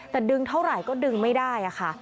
แต่ดึงเท่าไหร่ก็ดึงไม่ได้ค่ะ